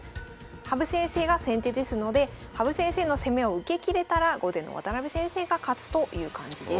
羽生先生が先手ですので羽生先生の攻めを受けきれたら後手の渡辺先生が勝つという感じです。